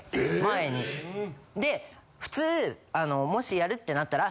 で普通あのもしやるってなったら。